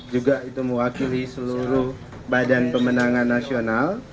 juga itu mewakili seluruh badan pemenangan nasional